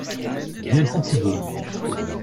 Viens quand tu veux.